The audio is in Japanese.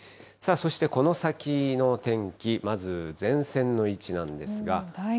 そして、この先の天気、まず前線の位置なんですが。